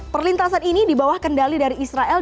perlintasan ini di bawah kendali dari israel